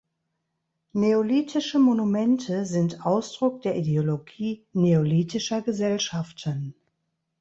Neolithische Monumente sind Ausdruck der Ideologie neolithischer Gesellschaften.